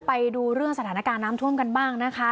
ไปดูเรื่องสถานการณ์น้ำท่วมกันบ้างนะคะ